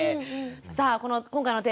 さあこの今回のテーマ。